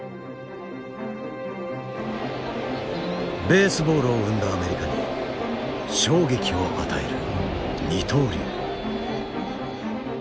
ベースボールを生んだアメリカに衝撃を与える二刀流。